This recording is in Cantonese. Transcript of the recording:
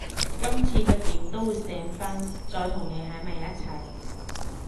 今次佢點都會醒返，再同你喺埋一齊